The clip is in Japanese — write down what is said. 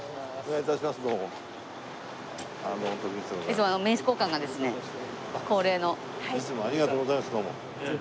いつもありがとうございますどうも。